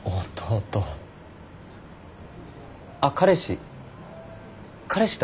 あっ彼氏。